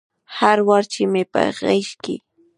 هر وار چې مې په غیږ کې